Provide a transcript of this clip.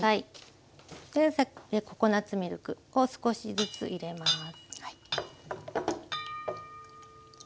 ココナツミルクを少しずつ入れます。